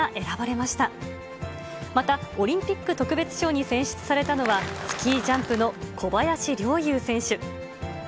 また、オリンピック特別賞に選出されたのは、スキージャンプの小林陵侑選手。